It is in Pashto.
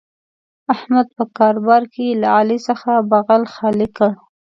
احمد په کاروبار کې له علي څخه بغل خالي کړ.